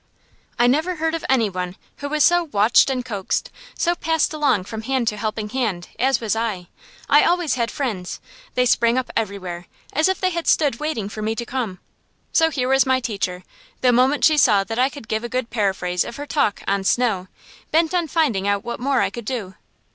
I never heard of any one who was so watched and coaxed, so passed along from hand to helping hand, as was I. I always had friends. They sprang up everywhere, as if they had stood waiting for me to come. So here was my teacher, the moment she saw that I could give a good paraphrase of her talk on "Snow," bent on finding out what more I could do.